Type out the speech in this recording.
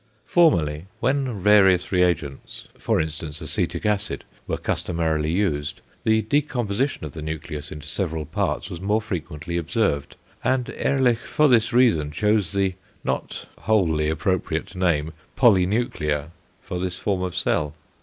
Formerly when various reagents, for instance acetic acid, were customarily used, the decomposition of the nucleus into several parts was more frequently observed, and Ehrlich for this reason chose the not wholly appropriate name "polynuclear" for this form of cell.